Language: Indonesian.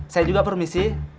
saya juga permisi